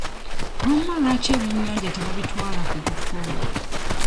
Wamma lwaki ebyenyanja tebabitwala ku buko?